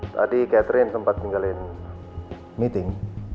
tadi catherine sempat tinggalin meeting